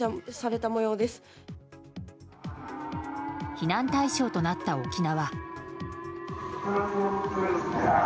避難対象となった沖縄。